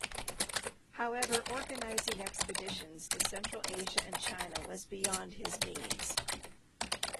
However, organising expeditions to Central Asia and China was beyond his means.